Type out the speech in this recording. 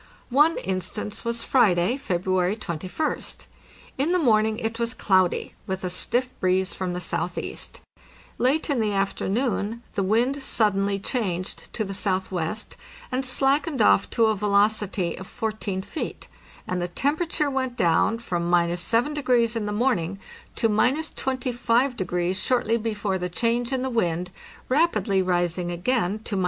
One instance was Friday, February 21st. In the morning it was cloudy, with a stiff breeze from the southeast. Late in the afternoon the wind suddenly changed to the southwest, and slackened off to a velocity of 14 feet; and the temperature went down from —7° in the morning to —25° shortly before the change in the wind, rapidly risin = again to —6.